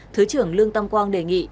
thứ trưởng lương tam quang đề nghị